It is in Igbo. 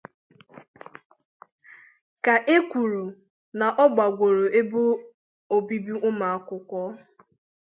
ka e kwuru na ọ gbagwòrò ebe obibo ụmụakwụkwọ